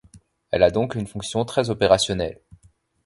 Elle a donc une fonction très opérationnelle.